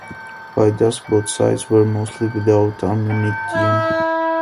By dusk, both sides were mostly without ammunition.